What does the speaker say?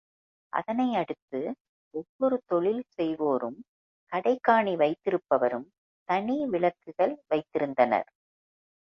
அதனை அடுத்து ஒவ்வொரு தொழில் செய்வோரும், கடைகாணி வைத்திருப்பவரும் தனிவிளக்குகள் வைத்திருந்தனர்.